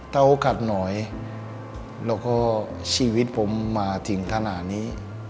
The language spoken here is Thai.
ถ้าโอกาสหน่อยแล้วก็ชีวิตผมมาถึงขนาดนี้